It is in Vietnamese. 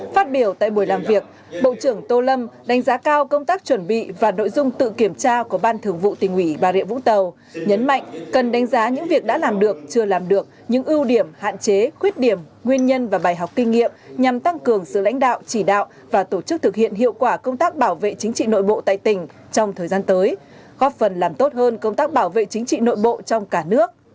phát biểu tại buổi làm việc bộ trưởng tô lâm đánh giá cao công tác chuẩn bị và nội dung tự kiểm tra của ban thờ vụ tỉnh ủy bà rượu úng tàu nhấn mạnh cần đánh giá những việc đã làm được chưa làm được những ưu điểm hạn chế khuyết điểm nguyên nhân và bài học kinh nghiệm nhằm tăng cường sự lãnh đạo chỉ đạo và tổ chức thực hiện hiệu quả công tác bảo vệ chính trị nội bộ tại tỉnh trong thời gian tới góp phần làm tốt hơn công tác bảo vệ chính trị nội bộ trong cả nước